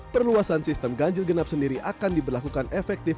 perluasan sistem ganjil genap sendiri akan diberlakukan efektif